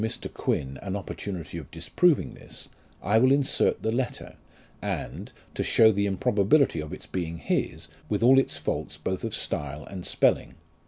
I choose to give Mr. Q,uin an opportunity of disproving this, I will insert the letter, and, to show the improbability of its being his, with all its faults both of style and spelling.